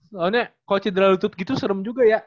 soalnya kalau cedera lutut gitu serem juga ya